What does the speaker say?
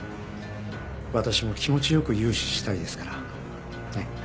私も気持ち良く融資したいですからねっ。